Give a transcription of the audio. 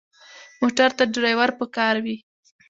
موټر ته ډرېور پکار وي.